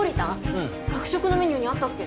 うん学食のメニューにあったっけ？